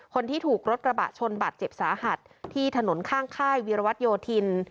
คนที่ถูกรถกระบะชนบาดเจ็บสาหัสที่ถนนข้างค่ายวีรวัตโยธิน